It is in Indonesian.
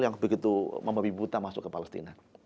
yang begitu memabiputa masuk ke palestina